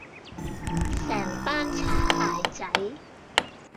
成班擦鞋仔